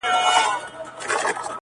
عجیبه ده لېونی آمر مي وایي,